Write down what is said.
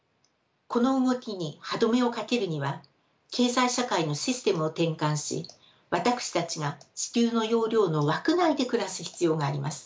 この動きに歯止めをかけるには経済社会のシステムを転換し私たちが地球の容量の枠内で暮らす必要があります。